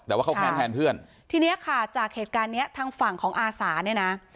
แต่ว่าเขาแค้นแทนเพื่อนทีเนี้ยค่ะจากเหตุการณ์เนี้ยทางฝั่งของอาสาเนี่ยนะ